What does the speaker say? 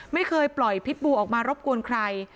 ไม่เคยปล่อยพิษบูออกมารบกวนใคร